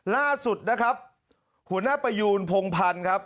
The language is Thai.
ล่าสุดนะครับหัวหน้าประยูนพงพันธ์ครับ